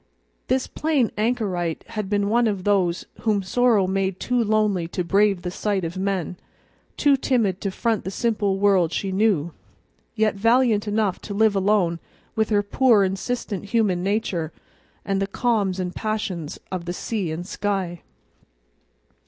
This plain anchorite had been one of those whom sorrow made too lonely to brave the sight of men, too timid to front the simple world she knew, yet valiant enough to live alone with her poor insistent human nature and the calms and passions of the sea and sky.